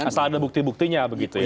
asal ada bukti buktinya begitu ya